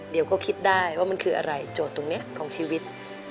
เดี๋ยวก็คิดได้ว่ามันคืออะไรโจทย์ตรงนี้ของชีวิต